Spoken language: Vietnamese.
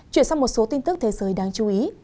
chuyển sang một số tin tức thế giới đáng chú ý